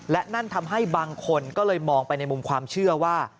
และนั่นทำให้บางคนก็เลยมองไปในมุมความเชื่อว่า